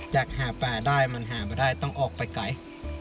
อยากหาป่าได้มันหาไม่ได้ต้องออกไปไกล